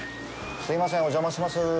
すいません、お邪魔します。